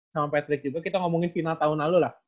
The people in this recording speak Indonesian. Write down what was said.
sama patrick juga kita ngomongin final tahun lalu lah